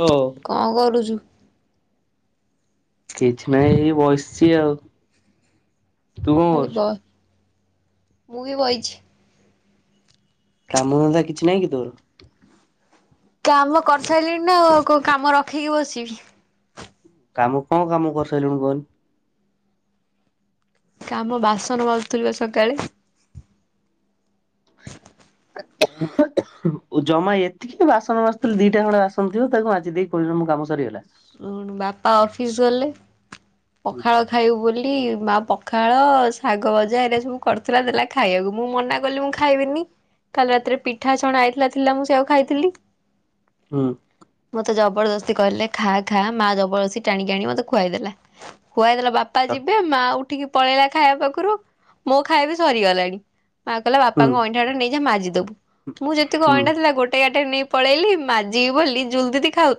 ହଉ କଣ କରୁଛୁ। କିଛି ନାଇଁ ଏଇ ବସିଛି ଆଉ। ତୁ କଣ ଖାଲି କରୁଛୁ? ବ, ମୁଁ ବି ବହିଛି। କାମଧନ୍ଦା କିଛି ନାଇଁ କି ତୋର। କାମ କରିସାରିଲିଣି ନା, ଆଉ କଣ କାମ ରଖିକି ବସିବି। କାମ, କଣ କାମ କରିସାରିଲୁଣି କହିଲୁ। କାମ, ବାସନ ମାଜୁଥିଲି ବା ସକାଳେ। ଆା [inaudible] ଜମା ଏତିକି ବାସନ ମାଜୁଥିଲୁଦିଟା ଖଣ୍ଡେ ବାସନଥିବ, ତାକୁ ମାଜି ଦେଇ କହୁଛୁନାମୋ କାମ ସରିଗଲା। ବାପା ଅଫିସ ଗଲେ, ହୁଁ ପଖାଳ ଖାଇବୁବୋଲି ମା ପକ୍ ପଖାଳ, ଶାଗଭଜା ଏରା ସବୁ କରିଥିଲା ଦେଲା ଖାଇବାକୁ ମୁଁ ମନା କଲି ମୁଁ ଖାଇବିନି। କାଲି ରାତିରେ ପିଠା ଛଣା ହେଇଥିଲା, ଥିଲା ମୁଁ ସେଆକୁ ଖାଇଥିଲି। ହୁଁ ମତେ ଜବରଦସ୍ତି କହିଲେ ଖା, ଖା ମା ଜବରଦସ୍ତି ଟାଣିକି ଆଣି ମୋତେ ଖୁଆଇଦେଲା। ଖୁଆଇଦେଲା ବାପା ଯିବେ ମା ଉଠିକି ପଳେଇଲା ଖାଇବା ପାଖରୁ, ମୋ ଖାଇବବି ସରିଗଲାଣି। ମା କହିଲା ହୁଁ ବାପାଙ୍କ ଅଇଁଠା ଟା ନେଇ ଯା ମାଜିଦବୁ। ମୁଁ ଯେତିକି ହୁଁ ଅଇଁଠା ଥିଲା ଗୋଟେଇ ଗାଟେଇ ନେଇ ପଳେଇଲି ମାଜି ବୋଲି ଜୁଲ ଦିଦି ଖାଉ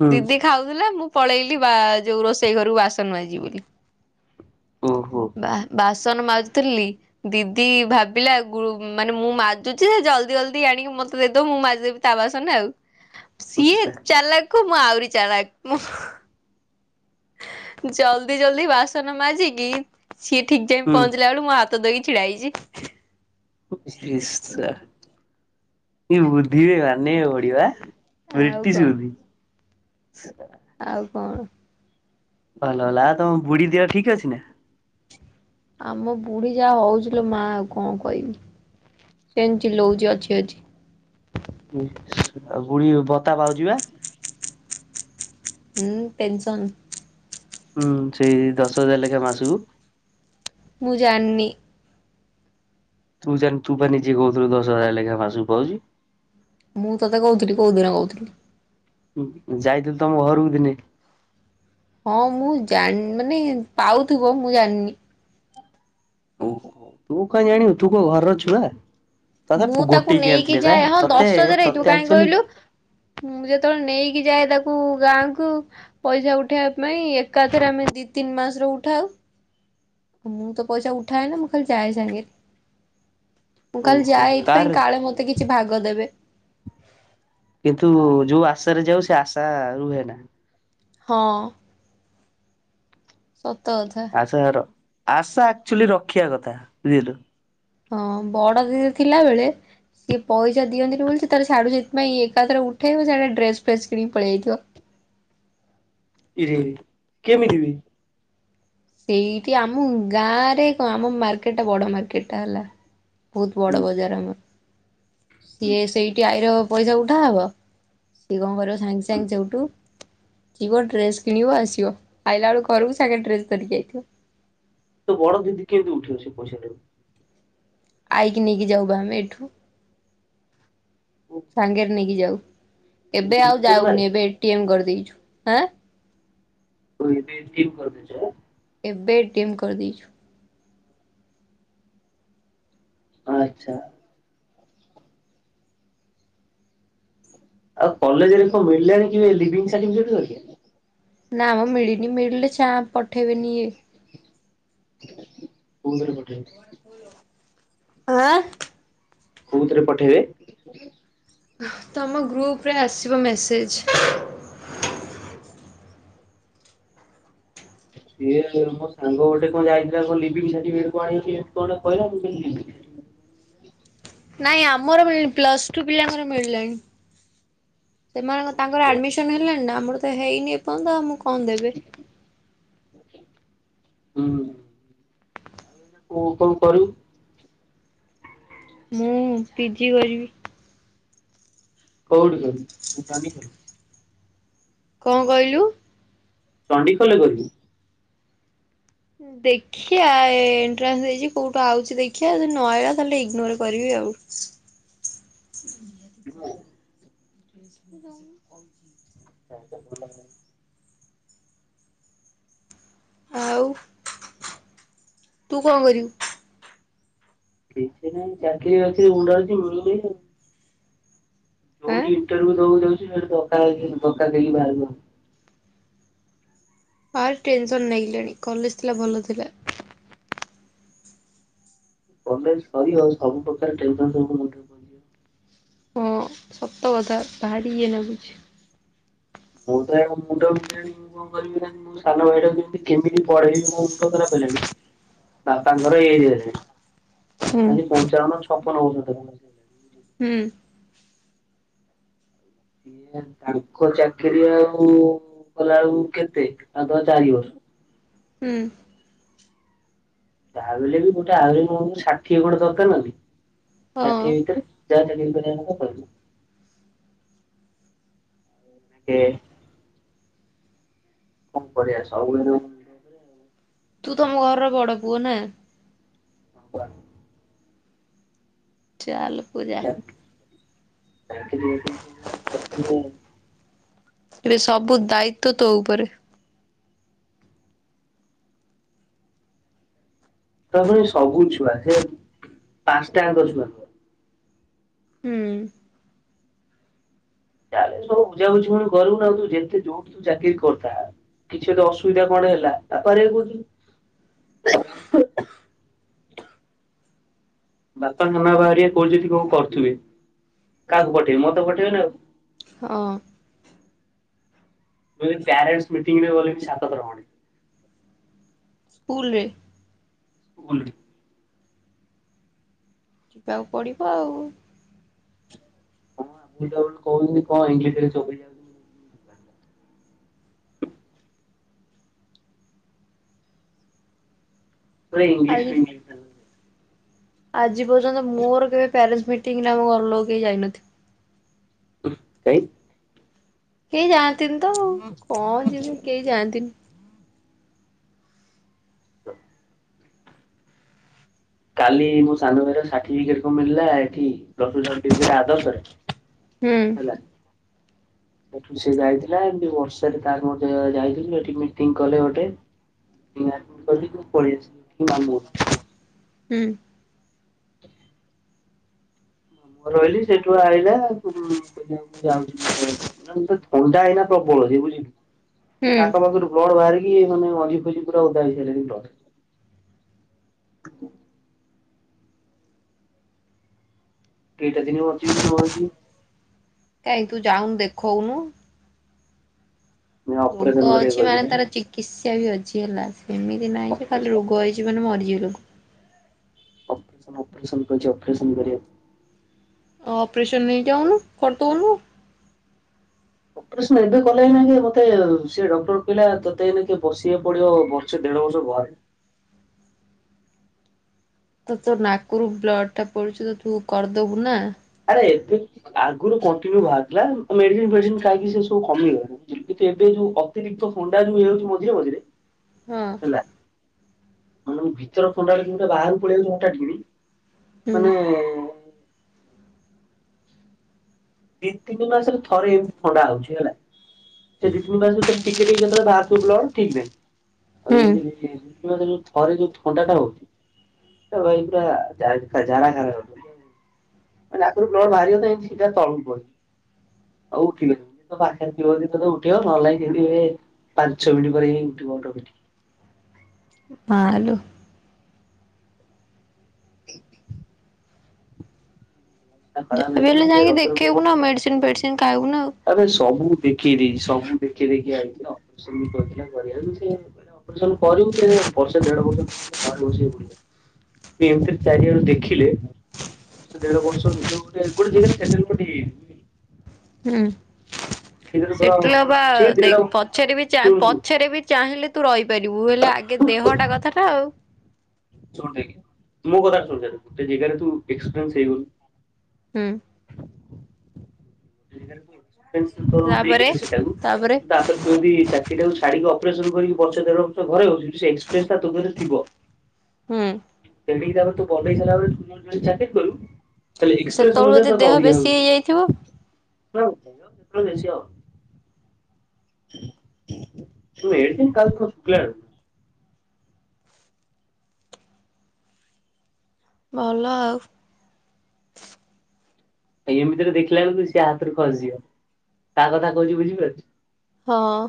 ହୁଁ ଦିଦି ଖାଉଥିଲା, ମୁଁ ପଳେଇଲି ବା ଯୋଉ ରୋଷେଇ ଘରକୁ ବାସନ ମାଜିବି ବୋଲି। ଓହୋ। ବା ବାସନ ମାରୁଥିଲି ଦିଦି ଭାବିଲା, ମାନେ ଗୋଳ୍ ମୁଁ ମାଜୁଛି ଜଲଦି ଜଲଦି ଆଣିକି ମତେ ଦେଇଦବ, ମୁଁ ମାଜିଦେବି ତା ବାସନ ଆଉ। ହ [inaudible] ସିଏ, ଚାଲାକକୁ ମୁଁ ଆହୁରି ଚାଲାକ, ମୁଁ ଜଲ୍ଦି, ଜଲ୍ଦି ବାସନ ମାଜିକି ସି ଠିକ ଯାଇ ପହଞ୍ଚିଲା ବେଳକୁ ମୋଆପ ତୋ ଦେଇ ଛିଡା ହେଇଛି। ବୁଦ୍ଧିବ ନାନେ ଓଡିବା। ଆଉ ଉରିଟି କଣ ଚୁଦ ଆଉ କଣ? ଭଲ ହେଲା, ତମ ବୁଢୀ ଦିହ ଠିକ ଅଛି ନା? ଆମ ବୁଢୀ ଯାହା ହଉଚିଲ ମା ଆଉ କଣ କହିବି, ସେମତିିଚିଲଉଛି ଅଛି, ଅଛି। ହୁଁ, ଆଉ ବୁଢି ଭତା ପାଉଛି ବା। ହୁଁ ଟେନସନ୍। ହୁଁ, ସେଇ ଦଶ ହଜାର ଲେଖାଏଁ ମାସକୁ। ମୁ ଜାଣିନି। ତୁ ଜାନ୍ ତୁପା ନିଜେ କହୁଥିଲୁ ଦଶ ହଜାର ଲେଖା ମାସକୁ ପାଉଛି। ମୁଁ ତତେ କହୁଥିଲି, କୋଉ ଦିନ କହୁଥିଲି? ହୁଁ ଯାଇଥିଲି ତମ ଘରକୁ ଦିନେ। ହଁ ମୁଁ ଜାଣି ମାନେ, ପାଉଥିବ ମୁଁ ଜାଣିନି। ଓହୋ, ତୁ କାଇଁଜାଣିବୁ ତୁ କଣ ଘରର ଛୁଆ? ତତେ ମୁଁ ତାକୁ ଗୋଟେଇକି ନେଇକି ଆଣିଥିଲେ ବା ଯାଏ ହଁ ତତେ ଦଶ ଥର ହେଇଥିବ ତତେ କାହିଁ ଆକ୍ଚୁଆଲି କହିଲୁ? ମୁଁ ଯେତେବେଳେ ନେଇକି ଯାଏ ତାକୁ ଗାଁକୁ ପଇସା ଉଠେଇବା ପାଇଁ ଏକାଥରେ ଆମେ ଦି ତିନି ମାସରେ ଉଠାଉ। ମୁଁ ତ ପଇସା ଉଠାଏ ନା ମୁଁ ଖାଲି ଯାଏ ସାଙ୍ଗେରେ। ମୁଁ ଖାଲି ଓହୋ ଯାଏ ଏଇଥିପାଇଁ କାରରେ କାଳେ ମତେ କିଛି ଭାଗ ଦେବେ। କିନ୍ତୁ ଯୋଉ ଆଶାରେ ଯାଉ ସେ ଆଶା ରୁହେ ନା। ହଁ। ସତ କଥା ଆଶାର ଆଶା ଆକ୍ଚୁଆଲି ରଖିବା କଥା ବୁଝିଲୁ। ହଁ ବଡ ଦିଦି ଥିଲା ବେଳେ ସିଏ ପଇସା ଦିଅନ୍ତିି ନି ବୋଲି ସେ ତା ତାର ସିଆଡୁସେଥିପାଇଁ ଏକାଥରେ ଉଠାଇବ ସିଆଡେ ଡ୍ରେସ୍ ଫ୍ରେସ୍ କିଣିକି ପଳେଇଆସିଥିବ। ଇରେ କେମିତିବି ଏଇଠି ଆମ ଗାଁରେ, କଣ ଆମ ମାର୍କେଟା ବଡ ମାର୍କେଟା ହେଲା। ବୋହୁତ ହୁଁ ବଡ଼ ବଜାର ଆମର। ହୁଁ ସିଏ ସେଇଠି ଆଇ ର ପଇସା ଉଠାହବ। ସିଏ କଣ କରିବ ହୁଁ ସାଙ୍ଗେ-ସାଙ୍ଗେ ସେଉଠୁ ଯିବ ଡ୍ରେସ୍ କିଣିବ ଆସିବ। ଆଇଲା ବେଳକୁ ଘରକୁୁ ସାଙ୍ଗ ରେ ଡ୍ରେସ ଧରିକି ଆଇଥିବ। ତୋ ବଡ ଦିଦିି କେମିତି ଉଠିବ ସେ ପଇସା ଟାକୁ? ଆଇ କି ନେଇକି ଯାଉ ପା ଆମେ ଏଠୁ। ସାଙ୍ଗରେ ନେଇକି ଯାଉ। ଏବେ ଆଉ ସିଗ୍ନେଚର ମାରେ ଯାଉନି ଏବେ ଏ ଟି ଏମ୍ କରିଦେଇଛୁ ହାଁ। [unintelligible] ଏବେ ଟିମ୍ କରିଦେଇଛୁ। ଆଛା। ଆଉ କଲେଜରେ କଣ ମିଳିଲାଣି କିବେ ଲିଭିଙ୍ଗସାର୍ଟିଫିକେଟ ହରିକା? ନା ମ ମିଳିନି ମିଳିଲେ ଚା ପଠେଇବେନି ଇଏ। କୋଉ ଘର ପଟେ? ଆଁ କଉଥିରେ ପଠେଇବେ? ତମ ଗ୍ରୁପ୍ ରେ ଆସିବ ମେସେଜ୍। ସିଏ ମୋ ସାଙ୍ଗ ଗୋଟେ କଣ ଯାଇଥିଲା କଣ ଲିଭି ସାର୍ଟିଫିକେଟ [unintelligible] କଣେଇଛି କେ କହିଲ ମୁଁ କେତି ନାଇଁ ଆମର ମିଳିନି। ପ୍ଲସ ଟୁ ପିଲାଙ୍କର ମିଳିଲାଣି। ସେମାନଙ୍କ ତାଙ୍କର ସାର୍ଟିଫିକେଟ ଆଡମିସନ ହେଲାଣି ନା ଆମର ତ ହେଇନି ଏପର୍ଯ୍ୟନ୍ତ ଆଉ ମୁଁ କଣ ଦେବେ। ହୁଁ ଆଉ କଣ କରିବୁ? ମୁଁ ପିଜି କରିବି। କଉଡ଼ [unintelligible] କଣ କହିଲୁ? ଚଣ୍ଡିଖୋଲ ରେ କରିବୁ। ଦେଖି। ଦେଖିଆ ଏଣ୍ଟ୍ରାନ୍ସ ଦେଇଛି କୋଉଠୁ ଆଉଛି ଦେଖିବା ଯଦି ନହେଲା ତାହେଲେ ଇଗ୍ନୋର କରିବି ଆଉ। ହଁ [inaudible] କ [inaudible] ଆ [inaudible] ଆଉ ତୁ କଣ କରିବୁ? କିଛି ନାହିଁ। ଚାକିରି ବାକିରି ଉଣ୍ଡାଲୁଛି ମିଳୁନି ଆଉ। ଆଁ ଯୋଉଠି ଇଣ୍ଟରଭୁ ଦବାକୁ ଯାଉଛି ସେଠି ଧକ୍କା ଧକ୍କା ଦେଇକି ବାହାର କରିଛନ୍ତି। ଆର୍ ଟେନସନ ନେଇଗଲିଣି, କଲେଜ ଥିଲା ଭଲ ଥିଲା। କଲେଜ୍ ସରିବ ସବୁ ପ୍ରକାର ଟେନସନ୍ ମୁଣ୍ଡ ହଁ ସତ କଥା ଭାରି ଇଏ ନାଗୁଛି। ପୁଣି ଥରେ ଆଙ୍କ ମୁଣ୍ଡ ବିନ୍ଧିଲାଣି। ମୁଁ କଣ କରିବି ମୋ ସାନ ଭାଇଟା କୁ କେମିତି ପଢେଇବି ମୋ ମୁଣ୍ଡ ଖରାପ୍ ହେଲାଣି। ବାପାଙ୍କର ଏଜେ ହୁଁ। ହେଲାଣି ପଞ୍ଚାବନ ଛପନ ଔଷଧ। ହୁଁ। ତାଙ୍କ ଚାକିରି ଆଉ କଲା ବେଳକୁ କେତେ ମାତ୍ର ଚାରି ବର୍ଷ। ହୁଁ ତାହେଲେ, ବି ଗୋଟେ [unintelligible] ଷାଠିଏ ଗୋଟେ ଦରକାର ନା ନହିଁ ହଁ ଷାଠିଏ ଭିତରେ। ଯା [unintelligible] [unintelligible] [inaudible] [unintelligible] [unintelligible] ତୁ ତମ ଘରର ବଡ ପୁଅ ନା? [inaudible] ଚାଲ ପୁରା ତା ଭ [unintelligible] ଏବେ ସବୁ ଦାୟିତ୍ଵ ତୋ ଉପରେ। ତା ପୁଣି ସବୁ ଛୁଆ, ସେ ପାଞ୍ଚଟା ଆଙ୍କ ଛୁଆ। ହୁଁ! ଚାଲେ ସବୁ ବୁଝାବୁଝି ପୁଣିକରିବୁ ନା ତୁ ଯେତେ ଯୋଉଠି ତୁ ଚାକିରି କରିଥା। କିଛି ତ ଅସୁବିଧା କଣ ହେଲା ତାପରେ। [unintelligible] ବାପାନା ବାହାରିଆ କହୁଛନ୍ତିଦି କଣ କରୁଥିବେ କାହାକୁ ପଠେଇବେ ମତେ ପଠେଇବେନ ଆଉ। ହଁ। ପ୍ୟାରେଣ୍ଟସ ମିଟଟିଙ୍ଗରେ ଗଲେବି। [unintelligible] ସ୍କୁୁଲରେ [unintelligible] ଯିବାକୁ ପଡିବ ଆଉ। ହଁ ମୁମ ତବେଳେ କହୁନି କଣ ଇଂଲିଶ ରେ ସବୁ ଏରା। ଇଂଲିଶ ଆଜି ଟୁ [unintelligible] ଆଜି ପର୍ଯ୍ୟନ୍ତ ମୋର କେବେ ପ୍ୟାରେଣ୍ଟସ୍ ମିଟିଂ ନା ଆମ ଘର ଲୋକ କେହି ଯାଇନନ୍ତି। କାଇଁ? କେଇ ଜାଣନ୍ତିନି ତ। ଆଉ ହଁ। କଣ ଯିବେ କେହି ଯାଆନ୍ତିନି। ହ। କାଲି ମୋ ସାନ ଭରେ ଠଟିଫିକେଟ କଣ ମିଳିଲା ଏଠି ପ୍ଲୁସ ଟୁ ସାଟିଫିକେଟ ଆଦର୍ଶରେ। ହୁଁ [inaudible] ସେଠୁ ସେ ଯାଇଥିଲା ଏମିତି ବର୍ଷାରେ ତାର ମଧ୍ୟ ଯାଇଥିଲୁ ଏଠି ମିଟିଂ କଲେ ଗୋଟେ। [unintelligible] ପଳେଇଆସିଲି ଏଠିକି ମାମୁ। ହୁଁ ରହିଲି ସେଇଠୁ ଆଇଲା କହିବା ଯାଉଛି ମୋର। ତ ଥଣ୍ଡା ହେଇନା ପ୍ରବଳ ସେ ବୁଝିଲୁ ହୁଁ ନାକ ପାଖରୁ ବ୍ଲଡ଼ ବାହାରିକି ମାନେ [unintelligible] ପୁରା ଉଦା। ଏଇଟା ଦିନେ ଅଛଛି କି ନ ଅଛି କାହିଁ ତୁ ଯାଉନୁ ଦେଖଉନୁ? ମୁଁ ଅପରେସନ ରୋଗ ଅଛି କରିବାକୁ ମାନେ କହିଛି ତାର। ଚି କିତ୍ସା ବି ଅଛି ହେଲା, ସେମିତି ନାହିଁ ଯେ ଖାଲି ଅପରେସନ ରୋଗ ହେଇଯିବ ମାନେ ମରିଯିବ ଲୋକ। ଅପରେସନ୍ ଅପରେସନ୍ କରିଛି ଅପରେସନ୍ କରିବା ଅପରେସନ ନେଇ ଯାଉନୁ କରଦଉଁନୁ। ଅପରେସନ ଏବେ କଲେ ହିନା କି ମତେ ସେଏ ଡକ୍ଟର କହିଲା ତତେ ବସିବାକୁ ପଡିବ ବେର୍ସ ଦେଢ଼ ବର୍ଷ ଘରେ। ତ ତୋ ନାକରୁ ବ୍ଲଡ଼ ଟା ପଡୁଛି ତ ତୁ କରିଦବୁ ନା। ଆରେ ଏତେ ଆଗରୁ କଣ୍ଟିନ୍ୟୁ ବାହାରଥିଲା, ମେଡିସିନ ଫେଡିସିନ କାହିଁକି ସେ ସବୁ କମିଗନ। କିନ୍ତୁ ଏବେ ଯୋଉ ଅତିରିକ୍ତ ହଣ୍ଡା ଯୋଉ ହେଯଉଛି ମଝିରେ ମଝିରେ, ହଁ ହେଲା ଆମ ଭିତର ଥଣ୍ଡାଟେ ବାହାରକୁ ପଳେଇାଉଛି ହଠାତ୍ କିଣି ହୁଁ। ମାନେ। ଦିଇ ତିନି ମାସରେ ଥରେ ଏମିତି ଥଣ୍ଡା ହଉଛି ହେଲା। ସେ ଦି ତିନିମାସ ଭିତରେ ଟିକେଟ ହେଇକି ଯେତେଳେ ବାହରେ ସବୁ ବ୍ଲଡ ଠିକ୍ ନାହିଁ। ହୁଁ ଯୁଆଡେ ଯୋ ଥରେ ଯୋଉ ଥଣ୍ଡାଟା ହଉଛି। ସେ ଭାଇ ପରା ଯା ଜାରା ଖାରା। ନାକରୁ ବ୍ଲଡ଼ ବାହାରିବ ଯେ ସିଧା ତଳକୁ କରୁଚି। ହଉ ଠିକ୍ ଅଛି ତ ପାଖରେ ଥିବ ଯଦି ତତେ ଉଠେଇଦବ ନ ହେଲେ ନାହିଁ ସେଇଠି ଏ ପାଞ୍ଚ ମିନିଟ ପରେ ଇଏ ଉଠିବ ଅଟମେଟିକ୍। ହଁ ହାଲୁ। ହଁ। ଯାହା ବି ହେଲେ ଯାଇକି ଦେଖେଇବୁ ନା ମେଡିସିନ ଫେଡିସିନ ଖାଇବୁ ନା ଆଉ। ଆରେ ସବୁ ଦେଖେଇଦେଇଚି ସବୁ ଦେଖେଇ ଦେଖେଇ ଆଇଚି ତ ସେମିତି କହିଥିଲା କରିବାକୁ ସିଏ ସବୁ କରିବୁ ଯେ ବର୍ଷେ ଦେଢ ବର୍ଷ ପର୍ଯ୍ୟନ୍ତ ଘରେ ବସିକି ପଢିବୁ। ଏମିତି ଚାରିଆଡ଼ୁ ଦେଖିଲେ ବର୍ଷେ ଦେଢ ବର୍ଷ। ଯୋଉ ଗୋଟେ ଗୋଟେ ଜେଗାରେ ସେଣ୍ଟାଲ କୋଟ ହେଇଯାଇଚି। ହୁଁ ସେଟାରେ ତୋର ସେଟେଲ ହବା ସେଇ ଦେଢ ଦେକ୍ ପଛରେ ବି ଚାପ୍ ଶୁଣୁ ଶୁଣୁ ପଛରେ ବି ଚାହିଁଲେ ତୁ ରହିପାରିବୁ ହେଲେ ଆଗେ ଦେହଟା କଥାଟା ଆଉ। ଶୁଣୁ ଦେଖ୍ ମୋ କଥାଟା ଶୁଣିସାରେ ଗୋଟେ ଜେଗାରେ ତୁ ଏକ୍ସପ୍ରେନ୍ସ ହେଇଗଲୁ। ହୁଁ। ଏକ୍ସପ୍ରେନ୍ସ ତୋର ତାପରେ ନେଇଗଲେ ସେଟାକୁ ତାପରେ ଦାଣ୍ଡ ତୁ ଯଦି ଚାକିରିଟାକୁ ଛାଡି ଅପରେସନ କରିକି ବର୍ଷେ ଦେଢ ବର୍ଷ ଘରେ ହଉଛି ସେ ଏକ୍ସପିରିନ୍ସ ଟା ତୋ ଘରେ ଥିବ। ହୁଁ। ପେଣ୍ଡିକ୍ ତାପରେ ବନେଇ ସାରିଲା ପରେ ତୁ ଯୁଆଡେ ଜାଇ ଚାକିରି କଲୁ ତାହେଲେ ଏକ୍ସପ୍ରେନ୍ସ ଅନୁସାରେ ତତେ ଅଧିକା ମିଳୁ। ହେଇଥିବ। [unintelligible] [unintelligible] ଭଲ ଆଉ। ଏମିତିରେ ଦେଖିଲା ବେଳକୁ ସିଏ ହାତରୁ ଖସିଯିବ ତା କଥା କହୁଛି ବୁଝିପାରୁଛୁ। ହଁ।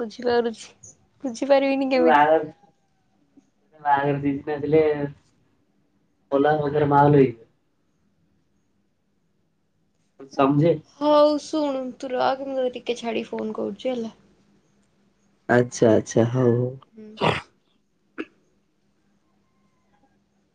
ବୁଝିପାରୁଛି ବୁଝିପାରିବିନି ମୁଁ କେମିତି। ବାହାଘର ବାହାଘର ଠିକ୍ ଟାକ ହେଲେ ପଲାଙ୍ଗ ବଜାର ମାହଲ ହେଇଛି। ସମ୍ ଝେ। ହଉ ଶୁଣୁ ତୁ ରଖ୍ ମୁଁ ଟିକେ ଛାଡ଼ିକି ଫୋନ୍ କରୁଛି ହେଲା। ଆଚ୍ଛା ଆଚ୍ଛା ହଉ ହଉ। ହୁଁ।